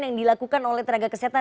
yang dilakukan oleh tenaga kesehatan